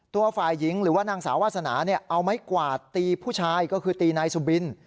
ตัวฝ่ายหญิงหรือว่านางสาววาสนาเอาไม้กวาดตีผู้ชายก็คือตีนายสุบิน